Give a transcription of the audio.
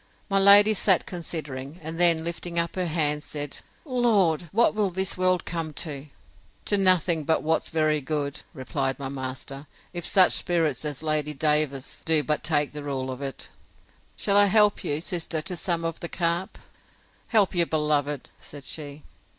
My lady sat considering; and then, lifting up her hands, said, Lord! what will this world come to?—To nothing but what's very good, replied my master, if such spirits as Lady Davers's do but take the rule of it. Shall I help you, sister, to some of the carp? Help your beloved! said she.